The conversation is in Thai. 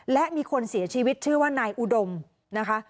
และมีคนเสียชีวิตชื่อว่านายอุดมนะคะ